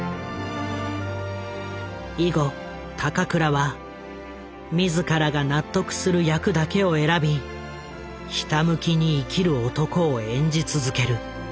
以後高倉は自らが納得する役だけを選びひたむきに生きる男を演じ続ける。